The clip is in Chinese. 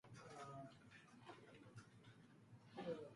台湾菱瘤蝽为猎蝽科菱瘤蝽属下的一个种。